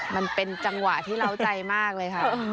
มันเป็นจังหวะที่เล้าใจมากเลยค่ะ